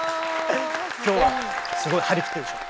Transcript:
今日はすごい張り切ってるでしょ。